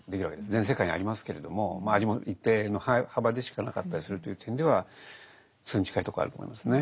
全世界にありますけれども味も一定の幅でしかなかったりするという点ではそれに近いところはあると思いますね。